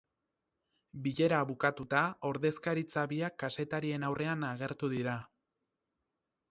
Bilera bukatuta, ordezkaritza biak kazetarien aurrean agertu dira.